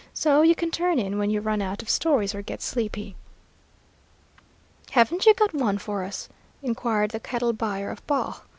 So you can turn in when you run out of stories or get sleepy." "Haven't you got one for us?" inquired the cattle buyer of Baugh.